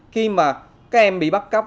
khi mà các em bị bắt cốc